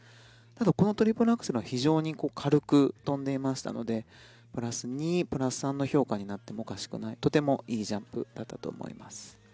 ただ、このトリプルアクセルは非常に軽く跳んでいましたのでプラス２、プラス３の評価になってもおかしくないとてもいいジャンプだったと思います。